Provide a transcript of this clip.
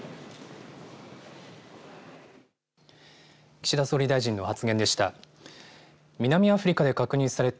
岸田総理大臣の発言でした。